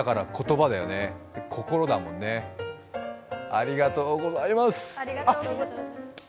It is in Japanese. ありがとうございます。